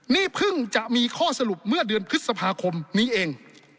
นี่เพิ่งจะมีข้อสรุปเมื่อเดือนพฤษภาคมนี้เอง